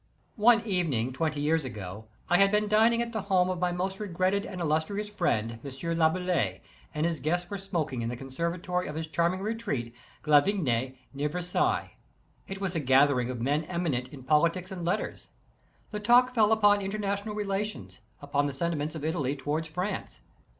One evening, twenty years ago, I had been dining at the home of my most regretted and illustrious friend, M. Laboulaye, and his guests were smoking in the con servatory of his charming retreat, Glavigny, near Versailles, it was a gathering of men eminent in politics and letters. The talk fell upon international relations, upon the senti ments of Italy toward France.